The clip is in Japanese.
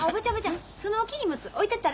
その大きい荷物置いてったら？